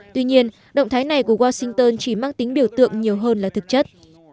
tuy nhiên động thái này của washington chỉ mang tính biểu tượng nhiều hơn là thực chất